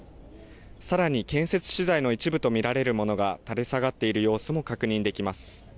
さらに建設資材の一部とみられるものがたれ下がっている様子も確認できます。